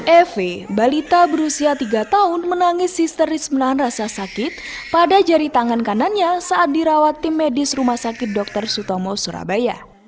ev balita berusia tiga tahun menangis histeris menahan rasa sakit pada jari tangan kanannya saat dirawat tim medis rumah sakit dr sutomo surabaya